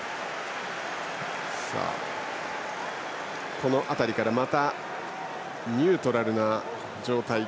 この辺りからまたニュートラルな状態。